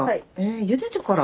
ゆでてから？